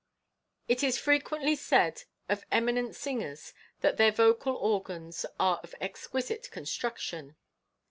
"It is frequently said of eminent singers, that 'their vocal organs are of exquisite construction.'